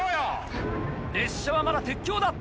列車はまだ鉄橋だ。